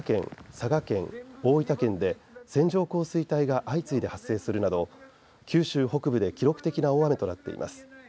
佐賀県、大分県で線状降水帯が相次いで発生するなど九州北部で記録的な大雨となっています。